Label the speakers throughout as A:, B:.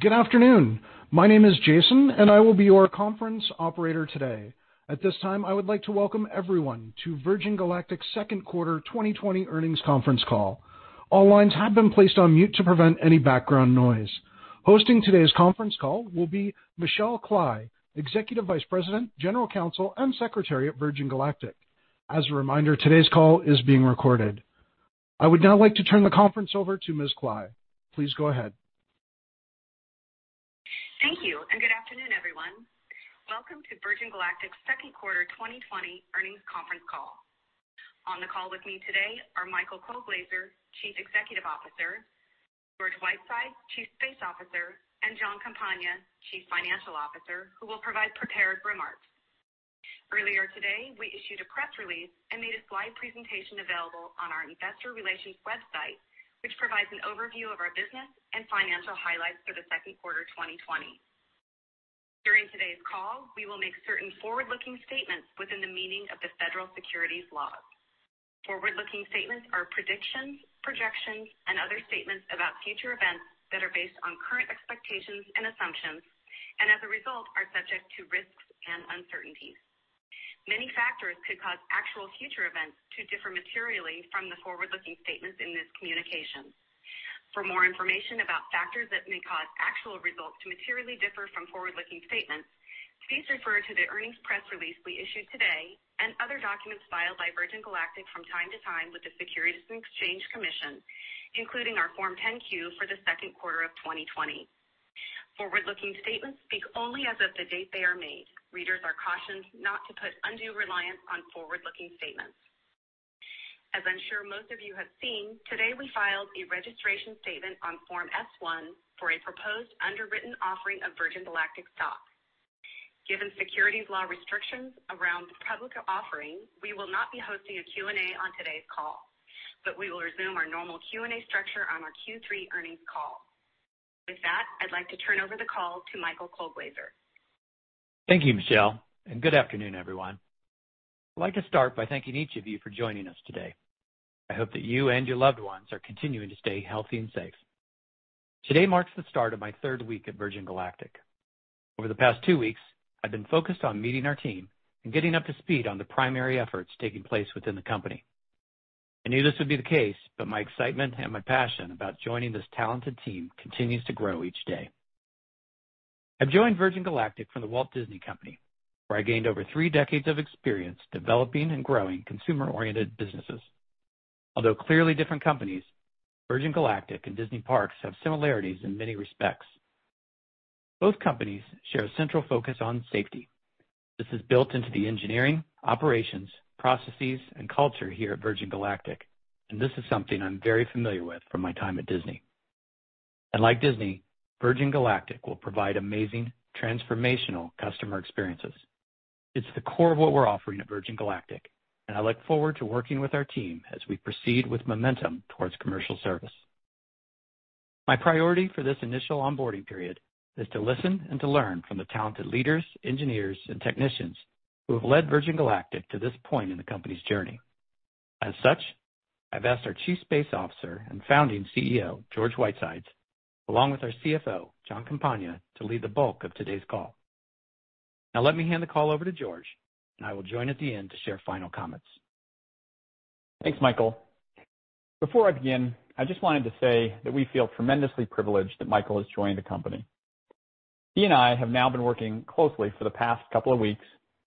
A: Good afternoon. My name is Jason, and I will be your conference operator today. At this time, I would like to welcome everyone to Virgin Galactic's second quarter 2020 earnings conference call. All lines have been placed on mute to prevent any background noise. Hosting today's conference call will be Michelle Kley, Executive Vice President, General Counsel, and Secretary at Virgin Galactic. As a reminder, today's call is being recorded. I would now like to turn the conference over to Ms. Kley. Please go ahead.
B: Thank you. Good afternoon, everyone. Welcome to Virgin Galactic's second quarter 2020 earnings conference call. On the call with me today are Michael Colglazier, Chief Executive Officer, George Whitesides, Chief Space Officer, and Jon Campagna, Chief Financial Officer, who will provide prepared remarks. Earlier today, we issued a press release and made a slide presentation available on our investor relations website, which provides an overview of our business and financial highlights for the second quarter 2020. During today's call, we will make certain forward-looking statements within the meaning of the Federal securities laws. Forward-looking statements are predictions, projections, and other statements about future events that are based on current expectations and assumptions, and as a result, are subject to risks and uncertainties. Many factors could cause actual future events to differ materially from the forward-looking statements in this communication. For more information about factors that may cause actual results to materially differ from forward-looking statements, please refer to the earnings press release we issued today and other documents filed by Virgin Galactic from time to time with the Securities and Exchange Commission, including our Form 10-Q for the second quarter of 2020. Forward-looking statements speak only as of the date they are made. Readers are cautioned not to put undue reliance on forward-looking statements. As I'm sure most of you have seen, today we filed a registration statement on Form S-1 for a proposed underwritten offering of Virgin Galactic stock. Given securities law restrictions around the public offering, we will not be hosting a Q&A on today's call, but we will resume our normal Q&A structure on our Q3 earnings call. With that, I'd like to turn over the call to Michael Colglazier.
C: Thank you, Michelle, and good afternoon, everyone. I'd like to start by thanking each of you for joining us today. I hope that you and your loved ones are continuing to stay healthy and safe. Today marks the start of my third week at Virgin Galactic. Over the past two weeks, I've been focused on meeting our team and getting up to speed on the primary efforts taking place within the company. I knew this would be the case, but my excitement and my passion about joining this talented team continues to grow each day. I've joined Virgin Galactic from The Walt Disney Company, where I gained over three decades of experience developing and growing consumer-oriented businesses. Although clearly different companies, Virgin Galactic and Disney Parks have similarities in many respects. Both companies share a central focus on safety. This is built into the engineering, operations, processes, and culture here at Virgin Galactic. This is something I'm very familiar with from my time at Disney. Like Disney, Virgin Galactic will provide amazing transformational customer experiences. It's the core of what we're offering at Virgin Galactic. I look forward to working with our team as we proceed with momentum towards commercial service. My priority for this initial onboarding period is to listen and to learn from the talented leaders, engineers, and technicians who have led Virgin Galactic to this point in the company's journey. As such, I've asked our Chief Space Officer and founding CEO, George Whitesides, along with our CFO, Jon Campagna, to lead the bulk of today's call. Let me hand the call over to George. I will join at the end to share final comments.
D: Thanks, Michael. Before I begin, I just wanted to say that we feel tremendously privileged that Michael has joined the company. He and I have now been working closely for the past couple of weeks,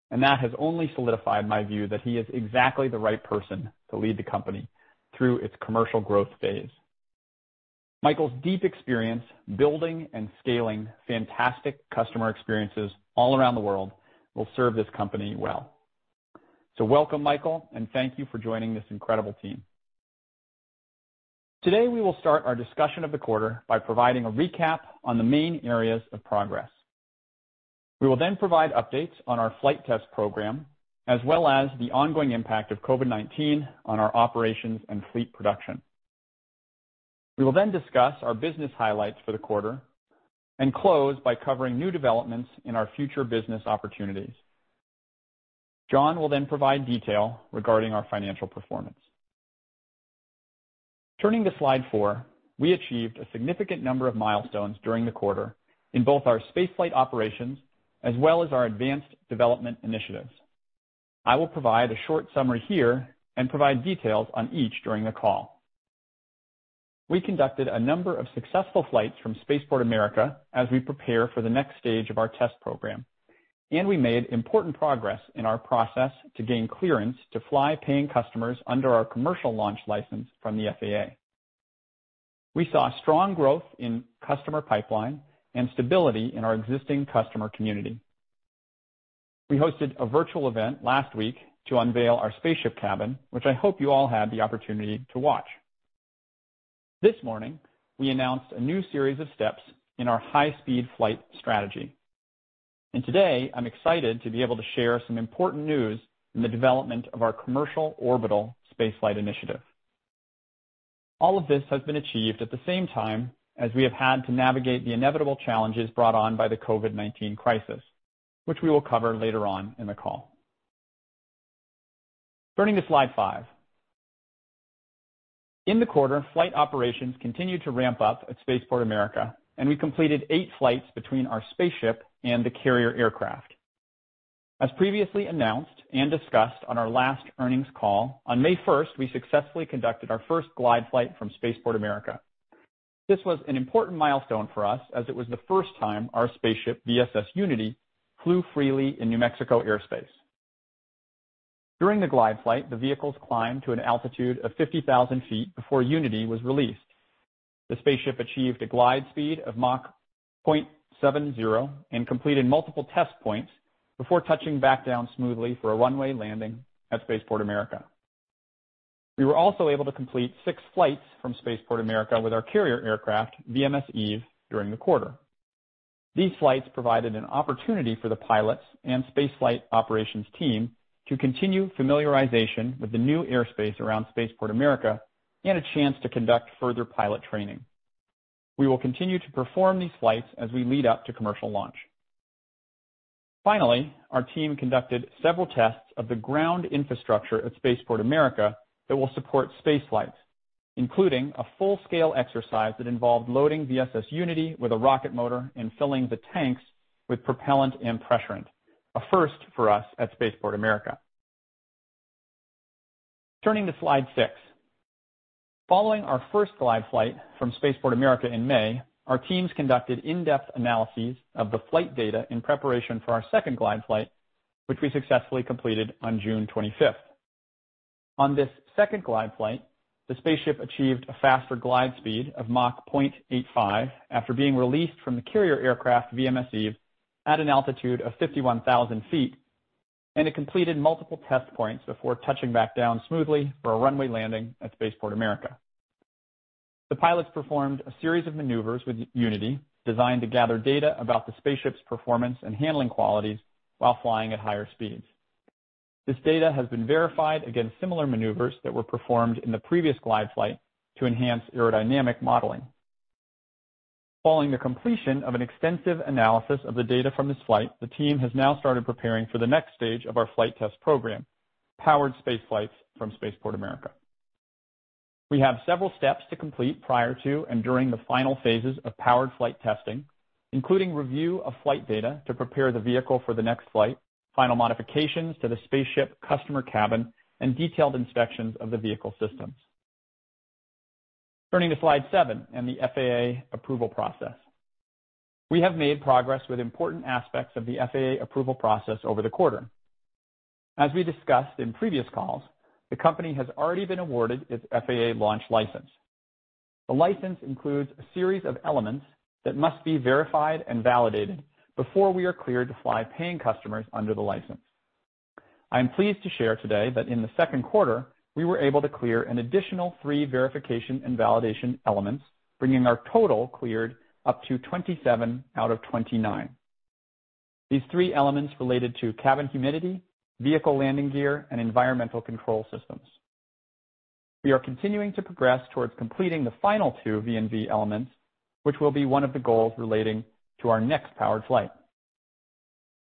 D: and that has only solidified my view that he is exactly the right person to lead the company through its commercial growth phase. Michael's deep experience building and scaling fantastic customer experiences all around the world will serve this company well. Welcome, Michael, and thank you for joining this incredible team. Today, we will start our discussion of the quarter by providing a recap on the main areas of progress. We will provide updates on our flight test program, as well as the ongoing impact of COVID-19 on our operations and fleet production. We will discuss our business highlights for the quarter and close by covering new developments in our future business opportunities. Jon will provide detail regarding our financial performance. Turning to slide four, we achieved a significant number of milestones during the quarter in both our spaceflight operations as well as our advanced development initiatives. I will provide a short summary here and provide details on each during the call. We conducted a number of successful flights from Spaceport America as we prepare for the next stage of our test program, and we made important progress in our process to gain clearance to fly paying customers under our commercial launch license from the FAA. We saw strong growth in customer pipeline and stability in our existing customer community. We hosted a virtual event last week to unveil our spaceship cabin, which I hope you all had the opportunity to watch. Today, I'm excited to be able to share some important news in the development of our commercial orbital space flight initiative. All of this has been achieved at the same time as we have had to navigate the inevitable challenges brought on by the COVID-19 crisis, which we will cover later on in the call. Turning to slide five. In the quarter, flight operations continued to ramp up at Spaceport America, and we completed eight flights between our spaceship and the carrier aircraft. As previously announced and discussed on our last earnings call, on May 1st, we successfully conducted our first glide flight from Spaceport America. This was an important milestone for us, as it was the first time our spaceship, VSS Unity, flew freely in New Mexico airspace. During the glide flight, the vehicles climbed to an altitude of 50,000 ft before Unity was released. The spaceship achieved a glide speed of Mach 0.70 and completed multiple test points before touching back down smoothly for a runway landing at Spaceport America. We were also able to complete six flights from Spaceport America with our carrier aircraft, VMS Eve, during the quarter. These flights provided an opportunity for the pilots and space flight operations team to continue familiarization with the new airspace around Spaceport America and a chance to conduct further pilot training. We will continue to perform these flights as we lead up to commercial launch. Finally, our team conducted several tests of the ground infrastructure at Spaceport America that will support space flights, including a full-scale exercise that involved loading VSS Unity with a rocket motor and filling the tanks with propellant and pressurant, a first for us at Spaceport America. Turning to slide six. Following our first glide flight from Spaceport America in May, our teams conducted in-depth analyses of the flight data in preparation for our second glide flight, which we successfully completed on June 25th. On this second glide flight, the spaceship achieved a faster glide speed of Mach 0.85 after being released from the carrier aircraft, VMS Eve, at an altitude of 51,000 ft, and it completed multiple test points before touching back down smoothly for a runway landing at Spaceport America. The pilots performed a series of maneuvers with Unity designed to gather data about the spaceship's performance and handling qualities while flying at higher speeds. This data has been verified against similar maneuvers that were performed in the previous glide flight to enhance aerodynamic modeling. Following the completion of an extensive analysis of the data from this flight, the team has now started preparing for the next stage of our flight test program, powered space flights from Spaceport America. We have several steps to complete prior to and during the final phases of powered flight testing, including review of flight data to prepare the vehicle for the next flight, final modifications to the spaceship customer cabin, and detailed inspections of the vehicle systems. Turning to slide seven and the FAA approval process. We have made progress with important aspects of the FAA approval process over the quarter. As we discussed in previous calls, the company has already been awarded its FAA launch license. The license includes a series of elements that must be verified and validated before we are cleared to fly paying customers under the license. I am pleased to share today that in the second quarter, we were able to clear an additional three verification and validation elements, bringing our total cleared up to 27 out of 29. These three elements related to cabin humidity, vehicle landing gear, and environmental control systems. We are continuing to progress towards completing the final two V&V elements, which will be one of the goals relating to our next powered flight.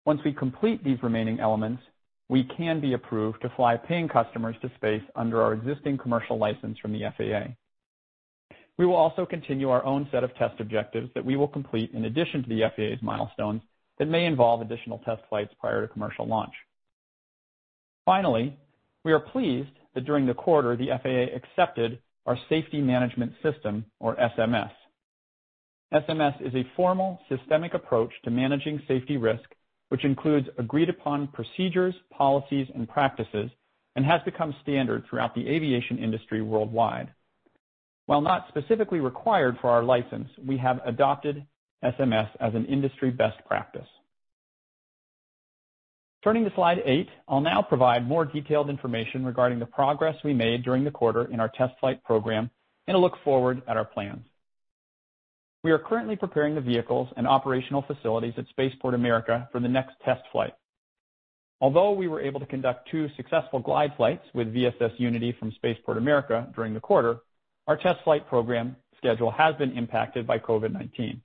D: Once we complete these remaining elements, we can be approved to fly paying customers to space under our existing commercial license from the FAA. We will also continue our own set of test objectives that we will complete in addition to the FAA's milestones that may involve additional test flights prior to commercial launch. Finally, we are pleased that during the quarter, the FAA accepted our safety management system, or SMS. SMS is a formal systemic approach to managing safety risk, which includes agreed-upon procedures, policies, and practices, and has become standard throughout the aviation industry worldwide. While not specifically required for our license, we have adopted SMS as an industry best practice. Turning to slide eight. I'll now provide more detailed information regarding the progress we made during the quarter in our test flight program and a look forward at our plans. We are currently preparing the vehicles and operational facilities at Spaceport America for the next test flight. Although we were able to conduct two successful glide flights with VSS Unity from Spaceport America during the quarter, our test flight program schedule has been impacted by COVID-19.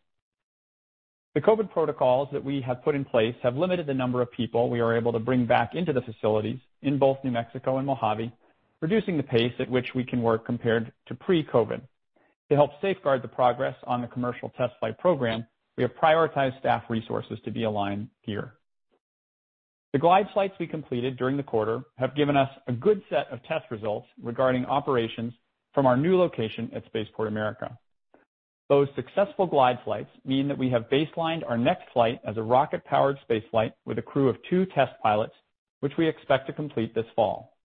D: The COVID protocols that we have put in place have limited the number of people we are able to bring back into the facilities in both New Mexico and Mojave, reducing the pace at which we can work compared to pre-COVID. To help safeguard the progress on the commercial test flight program, we have prioritized staff resources to be aligned here. The glide flights we completed during the quarter have given us a good set of test results regarding operations from our new location at Spaceport America. Those successful glide flights mean that we have baselined our next flight as a rocket-powered space flight with a crew of two test pilots, which we expect to complete this fall.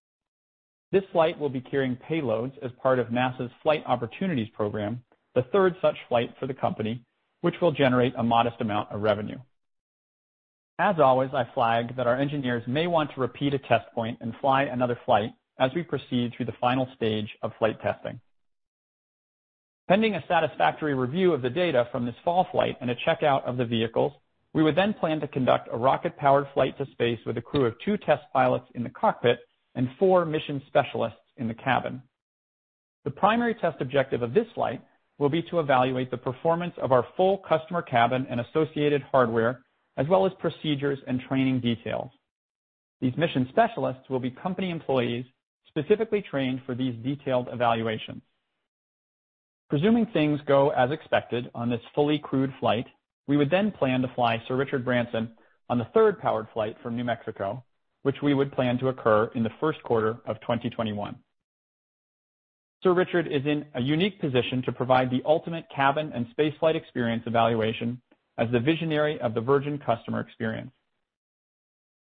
D: This flight will be carrying payloads as part of NASA's Flight Opportunities program, the third such flight for the company, which will generate a modest amount of revenue. As always, I flag that our engineers may want to repeat a test point and fly another flight as we proceed through the final stage of flight testing. Pending a satisfactory review of the data from this fall flight and a checkout of the vehicles, we would then plan to conduct a rocket-powered flight to space with a crew of two test pilots in the cockpit and four mission specialists in the cabin. The primary test objective of this flight will be to evaluate the performance of our full customer cabin and associated hardware, as well as procedures and training details. These mission specialists will be company employees specifically trained for these detailed evaluations. Presuming things go as expected on this fully crewed flight, we would then plan to fly Sir Richard Branson on the third powered flight from New Mexico, which we would plan to occur in the first quarter of 2021. Sir Richard is in a unique position to provide the ultimate cabin and space flight experience evaluation as the visionary of the Virgin customer experience.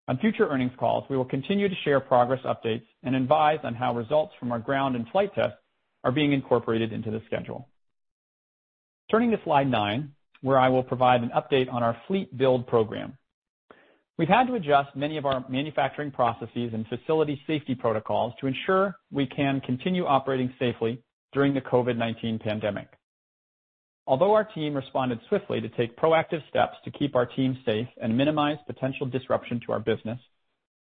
D: On future earnings calls, we will continue to share progress updates and advise on how results from our ground and flight tests are being incorporated into the schedule. Turning to slide nine, where I will provide an update on our fleet build program. We've had to adjust many of our manufacturing processes and facility safety protocols to ensure we can continue operating safely during the COVID-19 pandemic. Although our team responded swiftly to take proactive steps to keep our team safe and minimize potential disruption to our business,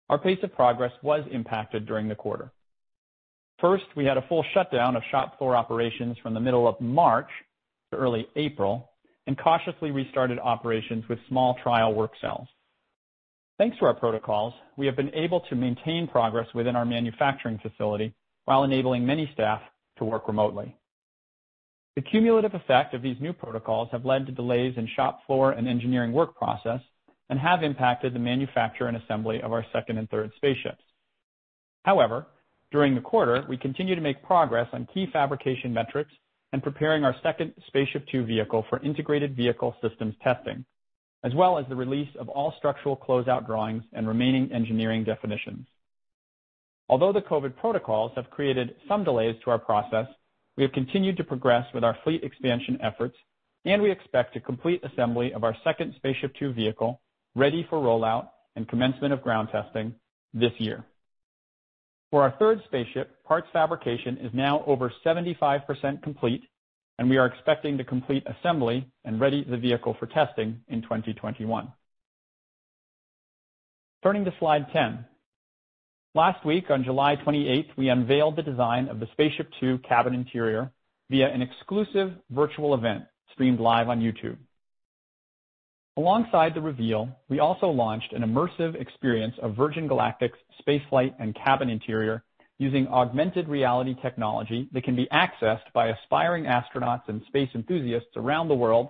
D: our pace of progress was impacted during the quarter. First, we had a full shutdown of shop floor operations from the middle of March to early April and cautiously restarted operations with small trial work cells. Thanks to our protocols, we have been able to maintain progress within our manufacturing facility while enabling many staff to work remotely. The cumulative effect of these new protocols have led to delays in shop floor and engineering work process and have impacted the manufacture and assembly of our second and third spaceships. However, during the quarter, we continued to make progress on key fabrication metrics and preparing our second SpaceShipTwo vehicle for integrated vehicle systems testing, as well as the release of all structural closeout drawings and remaining engineering definitions. Although the COVID protocols have created some delays to our process, we have continued to progress with our fleet expansion efforts, and we expect to complete assembly of our second SpaceShipTwo vehicle ready for rollout and commencement of ground testing this year. For our third spaceship, parts fabrication is now over 75% complete, and we are expecting to complete assembly and ready the vehicle for testing in 2021. Turning to slide 10. Last week, on July 28th, we unveiled the design of the SpaceShipTwo cabin interior via an exclusive virtual event streamed live on YouTube. Alongside the reveal, we also launched an immersive experience of Virgin Galactic's space flight and cabin interior using augmented reality technology that can be accessed by aspiring astronauts and space enthusiasts around the world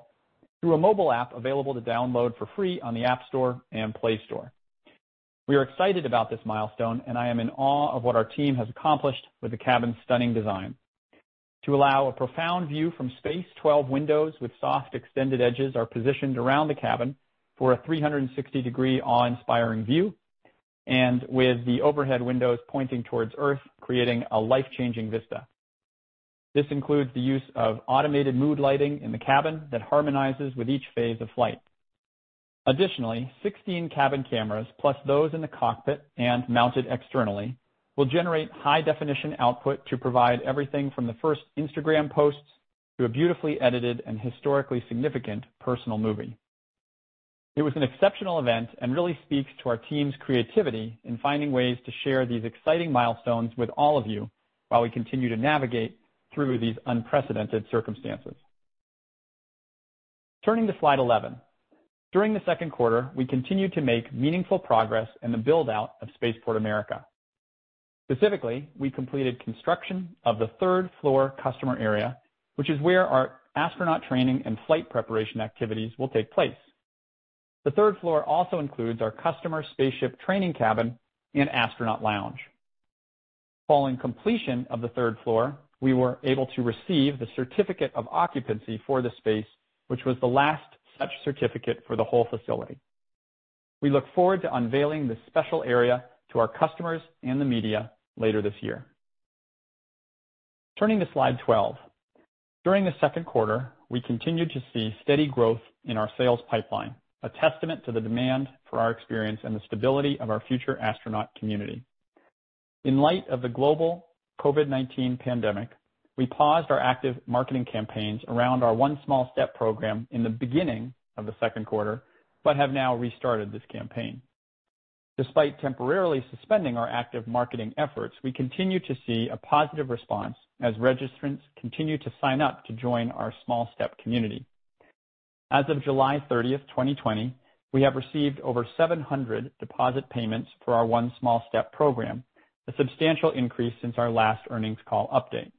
D: through a mobile app available to download for free on the App Store and Play Store. We are excited about this milestone, and I am in awe of what our team has accomplished with the cabin's stunning design. To allow a profound view from space, 12 windows with soft extended edges are positioned around the cabin for a 360-degree awe-inspiring view, and with the overhead windows pointing towards Earth, creating a life-changing vista. This includes the use of automated mood lighting in the cabin that harmonizes with each phase of flight. Additionally, 16 cabin cameras, plus those in the cockpit and mounted externally, will generate high-definition output to provide everything from the first Instagram post to a beautifully edited and historically significant personal movie. It was an exceptional event and really speaks to our team's creativity in finding ways to share these exciting milestones with all of you while we continue to navigate through these unprecedented circumstances. Turning to slide 11. During the second quarter, we continued to make meaningful progress in the build-out of Spaceport America. Specifically, we completed construction of the third-floor customer area, which is where our astronaut training and flight preparation activities will take place. The third floor also includes our customer spaceship training cabin and astronaut lounge. Following completion of the third floor, we were able to receive the certificate of occupancy for the space, which was the last such certificate for the whole facility. We look forward to unveiling this special area to our customers and the media later this year. Turning to slide 12. During the second quarter, we continued to see steady growth in our sales pipeline, a testament to the demand for our experience and the stability of our future astronaut community. In light of the global COVID-19 pandemic, we paused our active marketing campaigns around our One Small Step program in the beginning of the second quarter but have now restarted this campaign. Despite temporarily suspending our active marketing efforts, we continue to see a positive response as registrants continue to sign up to join our Small Step community. As of July 30th, 2020, we have received over 700 deposit payments for our One Small Step program, a substantial increase since our last earnings call update.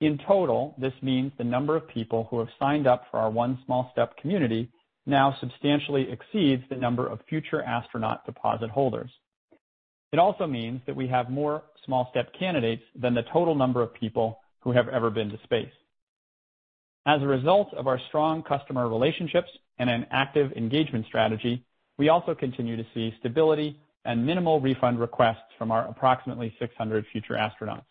D: In total, this means the number of people who have signed up for our One Small Step community now substantially exceeds the number of future astronaut deposit holders. It also means that we have more Small Step candidates than the total number of people who have ever been to space. As a result of our strong customer relationships and an active engagement strategy, we also continue to see stability and minimal refund requests from our approximately 600 future astronauts.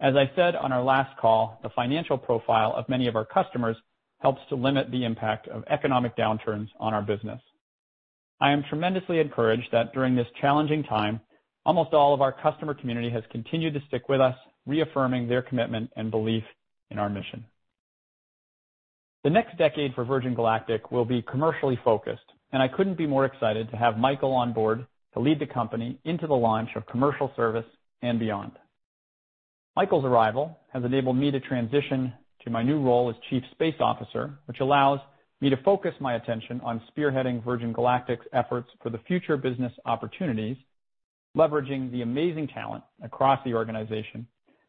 D: As I said on our last call, the financial profile of many of our customers helps to limit the impact of economic downturns on our business. I am tremendously encouraged that during this challenging time, almost all of our customer community has continued to stick with us, reaffirming their commitment and belief in our mission. The next decade for Virgin Galactic will be commercially focused, and I couldn't be more excited to have Michael on board to lead the company into the launch of commercial service and beyond. Michael's arrival has enabled me to transition to my new role as Chief Space Officer, which allows me to focus my attention on spearheading Virgin Galactic's efforts for the future business opportunities, leveraging the amazing talent across the organization,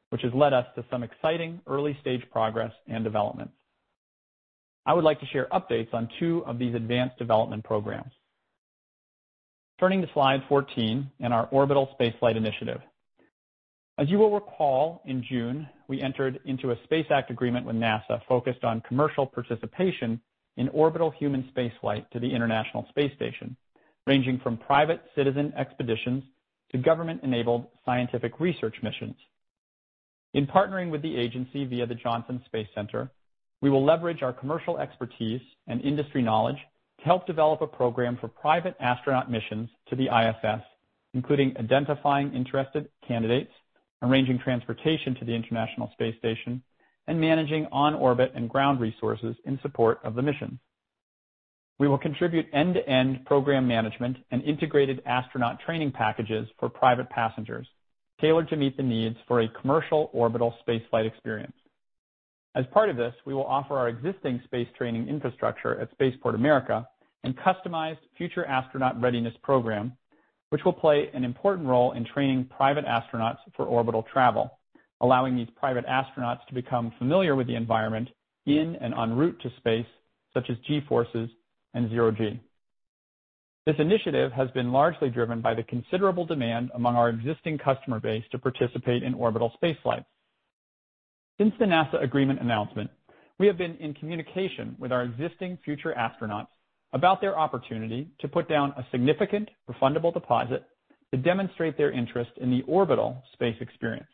D: which has led us to some exciting early-stage progress and developments. I would like to share updates on two of these advanced development programs. Turning to slide 14 and our orbital spaceflight initiative. As you will recall, in June, we entered into a Space Act Agreement with NASA focused on commercial participation in orbital human spaceflight to the International Space Station, ranging from private citizen expeditions to government-enabled scientific research missions. In partnering with the agency via the Johnson Space Center, we will leverage our commercial expertise and industry knowledge to help develop a program for private astronaut missions to the ISS, including identifying interested candidates, arranging transportation to the International Space Station, and managing on-orbit and ground resources in support of the mission. We will contribute end-to-end program management and integrated astronaut training packages for private passengers, tailored to meet the needs for a commercial orbital spaceflight experience. As part of this, we will offer our existing space training infrastructure at Spaceport America and customized future astronaut readiness program, which will play an important role in training private astronauts for orbital travel, allowing these private astronauts to become familiar with the environment in and en route to space, such as G-forces and zero-G. This initiative has been largely driven by the considerable demand among our existing customer base to participate in orbital spaceflight. Since the NASA agreement announcement, we have been in communication with our existing future astronauts about their opportunity to put down a significant refundable deposit to demonstrate their interest in the orbital space experience.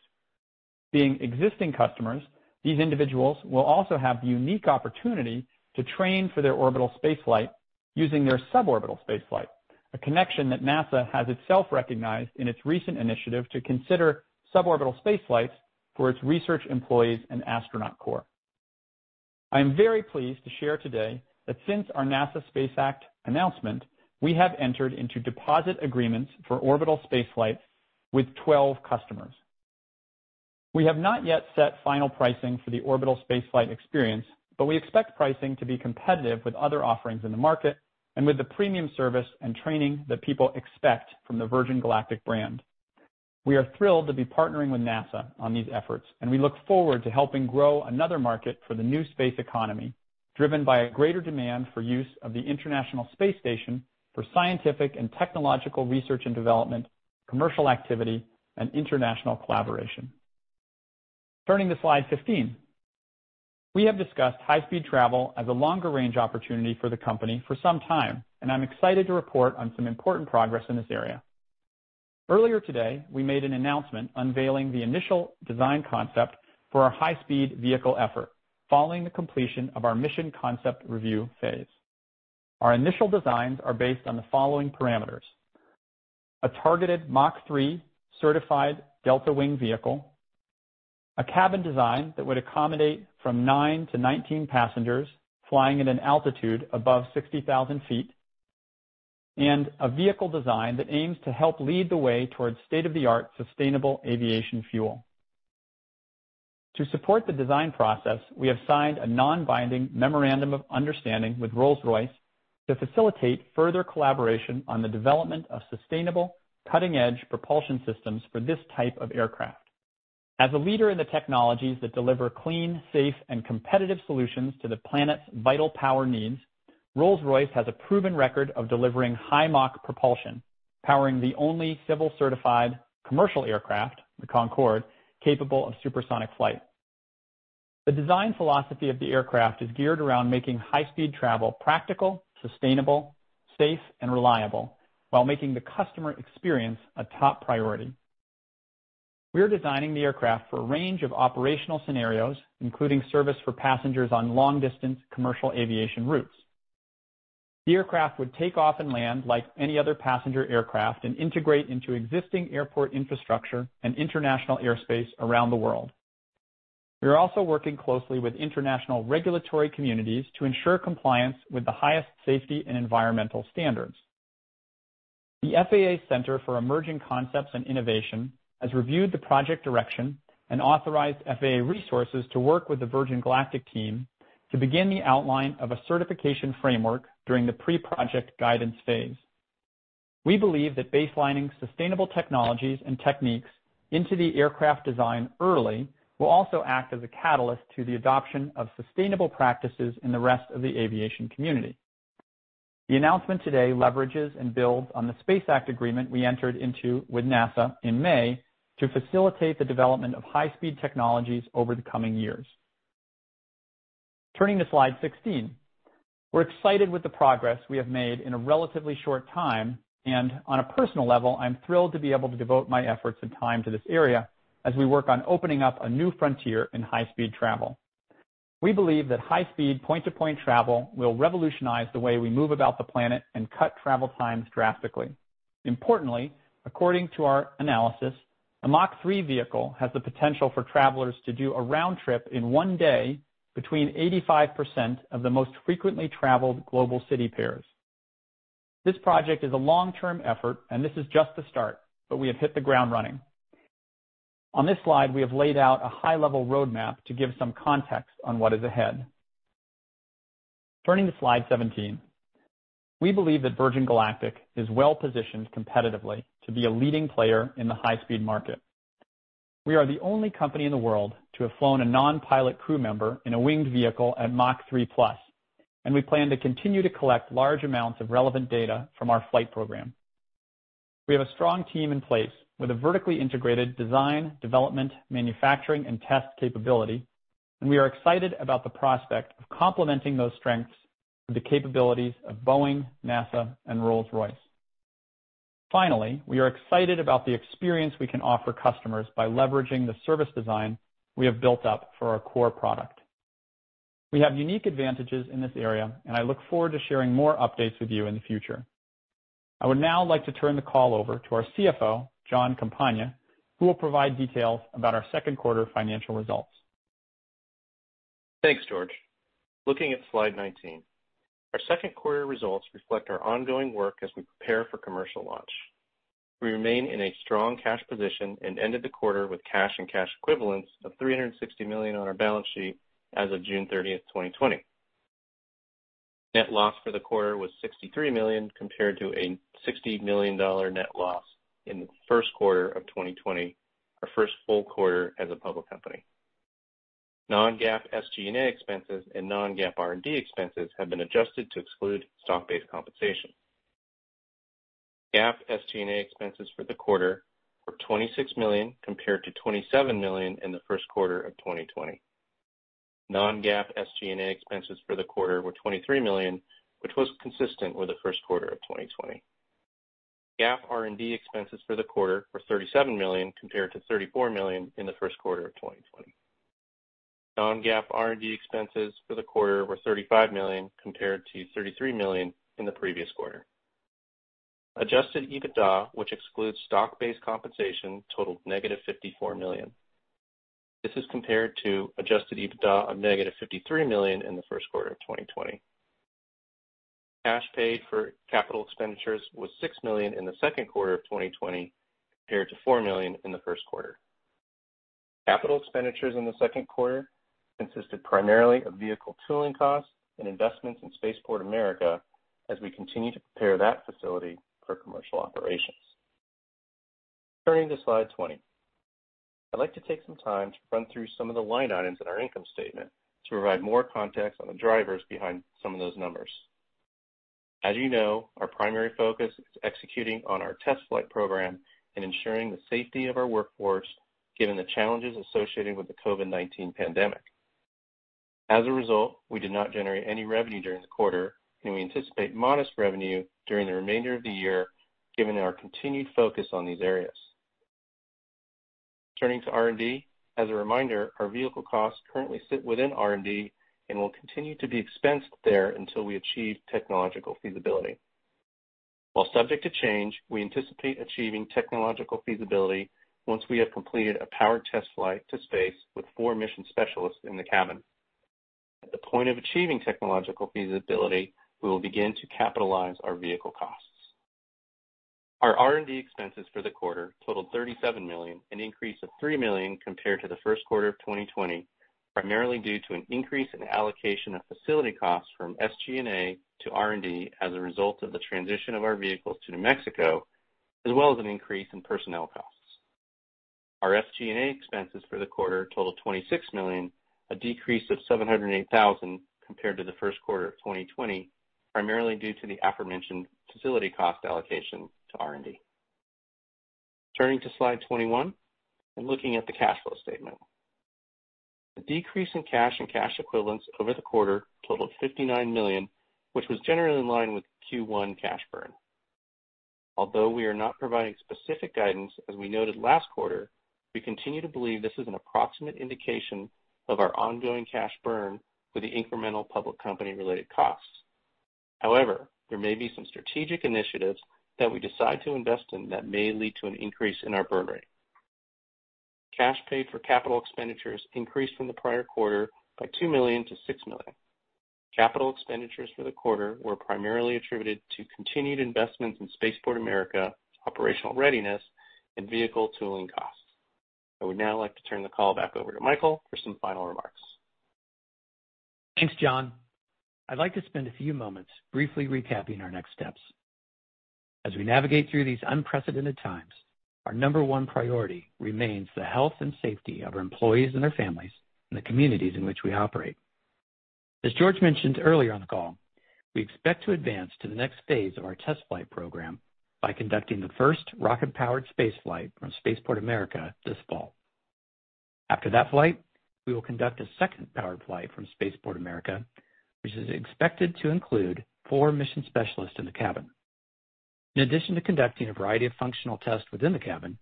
D: Being existing customers, these individuals will also have the unique opportunity to train for their orbital spaceflight using their suborbital spaceflight, a connection that NASA has itself recognized in its recent initiative to consider suborbital spaceflights for its research employees and astronaut corps. I am very pleased to share today that since our NASA Space Act announcement, we have entered into deposit agreements for orbital spaceflight with 12 customers. We have not yet set final pricing for the orbital spaceflight experience, but we expect pricing to be competitive with other offerings in the market and with the premium service and training that people expect from the Virgin Galactic brand. We are thrilled to be partnering with NASA on these efforts, and we look forward to helping grow another market for the new space economy, driven by a greater demand for use of the International Space Station for scientific and technological research and development, commercial activity, and international collaboration. Turning to slide 15. We have discussed high-speed travel as a longer-range opportunity for the company for some time, and I'm excited to report on some important progress in this area. Earlier today, we made an announcement unveiling the initial design concept for our high-speed vehicle effort following the completion of our mission concept review phase. Our initial designs are based on the following parameters: a targeted Mach 3 certified delta wing vehicle, a cabin design that would accommodate from 9-19 passengers flying at an altitude above 60,000 ft, and a vehicle design that aims to help lead the way towards state-of-the-art sustainable aviation fuel. To support the design process, we have signed a non-binding memorandum of understanding with Rolls-Royce to facilitate further collaboration on the development of sustainable, cutting-edge propulsion systems for this type of aircraft. As a leader in the technologies that deliver clean, safe, and competitive solutions to the planet's vital power needs, Rolls-Royce has a proven record of delivering high Mach propulsion, powering the only civil certified commercial aircraft, the Concorde, capable of supersonic flight. The design philosophy of the aircraft is geared around making high-speed travel practical, sustainable, safe, and reliable while making the customer experience a top priority. We're designing the aircraft for a range of operational scenarios, including service for passengers on long-distance commercial aviation routes. The aircraft would take off and land like any other passenger aircraft and integrate into existing airport infrastructure and international airspace around the world. We are also working closely with international regulatory communities to ensure compliance with the highest safety and environmental standards. The FAA Center for Emerging Concepts and Innovation has reviewed the project direction and authorized FAA resources to work with the Virgin Galactic team to begin the outline of a certification framework during the pre-project guidance phase. We believe that baselining sustainable technologies and techniques into the aircraft design early will also act as a catalyst to the adoption of sustainable practices in the rest of the aviation community. The announcement today leverages and builds on the Space Act Agreement we entered into with NASA in May to facilitate the development of high-speed technologies over the coming years. Turning to slide 16. We're excited with the progress we have made in a relatively short time, and on a personal level, I'm thrilled to be able to devote my efforts and time to this area as we work on opening up a new frontier in high-speed travel. We believe that high-speed point-to-point travel will revolutionize the way we move about the planet and cut travel times drastically. Importantly, according to our analysis, a Mach 3 vehicle has the potential for travelers to do a round trip in one day between 85% of the most frequently traveled global city pairs. This project is a long-term effort, and this is just the start, but we have hit the ground running. On this slide, we have laid out a high-level roadmap to give some context on what is ahead. Turning to slide 17. We believe that Virgin Galactic is well-positioned competitively to be a leading player in the high-speed market. We are the only company in the world to have flown a non-pilot crew member in a winged vehicle at Mach 3 plus, and we plan to continue to collect large amounts of relevant data from our flight program. We have a strong team in place with a vertically integrated design, development, manufacturing, and test capability, and we are excited about the prospect of complementing those strengths with the capabilities of Boeing, NASA, and Rolls-Royce. Finally, we are excited about the experience we can offer customers by leveraging the service design we have built up for our core product. We have unique advantages in this area, and I look forward to sharing more updates with you in the future. I would now like to turn the call over to our CFO, Jon Campagna, who will provide details about our second quarter financial results.
E: Thanks, George. Looking at slide 19. Our second quarter results reflect our ongoing work as we prepare for commercial launch. We remain in a strong cash position and ended the quarter with cash and cash equivalents of $360 million on our balance sheet as of June 30th, 2020. Net loss for the quarter was $63 million compared to a $60 million net loss in the first quarter of 2020, our first full quarter as a public company. Non-GAAP SG&A expenses and non-GAAP R&D expenses have been adjusted to exclude stock-based compensation. GAAP SG&A expenses for the quarter were $26 million compared to $27 million in the first quarter of 2020. Non-GAAP SG&A expenses for the quarter were $23 million, which was consistent with the first quarter of 2020. GAAP R&D expenses for the quarter were $37 million compared to $34 million in the first quarter of 2020. Non-GAAP R&D expenses for the quarter were $35 million compared to $33 million in the previous quarter. Adjusted EBITDA, which excludes stock-based compensation, totaled -$54 million. This is compared to adjusted EBITDA of -$53 million in the first quarter of 2020. Cash paid for capital expenditures was $6 million in the second quarter of 2020 compared to $4 million in the first quarter. Capital expenditures in the second quarter consisted primarily of vehicle tooling costs and investments in Spaceport America as we continue to prepare that facility for commercial operations. Turning to slide 20. I'd like to take some time to run through some of the line items in our income statement to provide more context on the drivers behind some of those numbers. As you know, our primary focus is executing on our test flight program and ensuring the safety of our workforce, given the challenges associated with the COVID-19 pandemic. As a result, we did not generate any revenue during the quarter, and we anticipate modest revenue during the remainder of the year given our continued focus on these areas. Turning to R&D, as a reminder, our vehicle costs currently sit within R&D and will continue to be expensed there until we achieve technological feasibility. While subject to change, we anticipate achieving technological feasibility once we have completed a powered test flight to space with four mission specialists in the cabin. At the point of achieving technological feasibility, we will begin to capitalize our vehicle costs. Our R&D expenses for the quarter totaled $37 million, an increase of $3 million compared to the first quarter of 2020, primarily due to an increase in allocation of facility costs from SG&A to R&D as a result of the transition of our vehicles to New Mexico, as well as an increase in personnel costs. Our SG&A expenses for the quarter totaled $26 million, a decrease of $708,000 compared to the first quarter of 2020, primarily due to the aforementioned facility cost allocation to R&D. Turning to slide 21 and looking at the cash flow statement. The decrease in cash and cash equivalents over the quarter totaled $59 million, which was generally in line with Q1 cash burn. Although we are not providing specific guidance, as we noted last quarter, we continue to believe this is an approximate indication of our ongoing cash burn for the incremental public company-related costs. However, there may be some strategic initiatives that we decide to invest in that may lead to an increase in our burn rate. Cash paid for capital expenditures increased from the prior quarter by $2 million to $6 million. Capital expenditures for the quarter were primarily attributed to continued investments in Spaceport America, operational readiness, and vehicle tooling costs. I would now like to turn the call back over to Michael for some final remarks.
C: Thanks, Jon. I'd like to spend a few mome nts briefly recapping our next steps. As we navigate through these unprecedented times, our number one priority remains the health and safety of our employees and their families and the communities in which we operate. As George mentioned earlier on the call, we expect to advance to the next phase of our test flight program by conducting the first rocket-powered space flight from Spaceport America this fall. After that flight, we will conduct a second powered flight from Spaceport America, which is expected to include four mission specialists in the cabin. In addition to conducting a variety of functional tests within the cabin,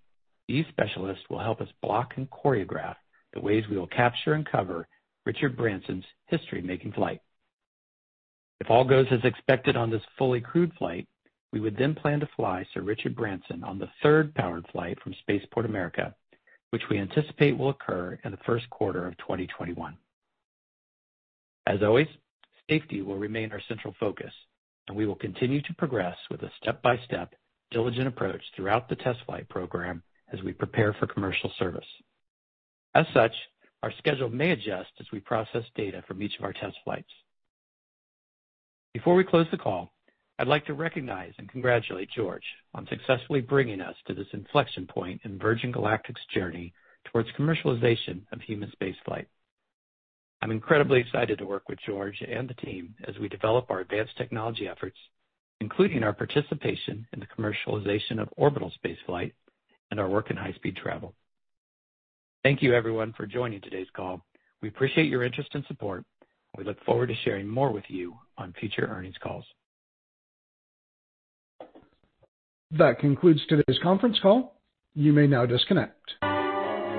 C: these specialists will help us block and choreograph the ways we will capture and cover Richard Branson's history-making flight. If all goes as expected on this fully crewed flight, we would then plan to fly Sir Richard Branson on the third powered flight from Spaceport America, which we anticipate will occur in the first quarter of 2021. As always, safety will remain our central focus, and we will continue to progress with a step-by-step diligent approach throughout the test flight program as we prepare for commercial service. As such, our schedule may adjust as we process data from each of our test flights. Before we close the call, I'd like to recognize and congratulate George on successfully bringing us to this inflection point in Virgin Galactic's journey towards commercialization of human space flight. I'm incredibly excited to work with George and the team as we develop our advanced technology efforts, including our participation in the commercialization of orbital space flight and our work in high-speed travel. Thank you, everyone, for joining today's call. We appreciate your interest and support, and we look forward to sharing more with you on future earnings calls.
A: That concludes today's conference call. You may now disconnect.